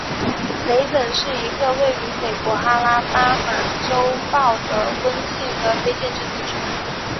雷本是一个位于美国阿拉巴马州鲍德温县的非建制地区。